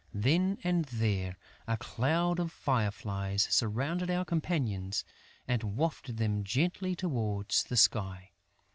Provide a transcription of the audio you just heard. Then and there, a cloud of fireflies surrounded our companions and wafted them gently towards the sky.